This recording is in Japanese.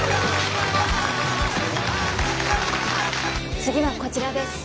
次はこちらです。